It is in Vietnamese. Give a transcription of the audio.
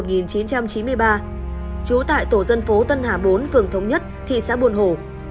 nguyễn quốc diễn sinh năm một nghìn chín trăm chín mươi ba trú tại tổ dân phố tân hà bốn phường thống nhất thị xã buồn hổ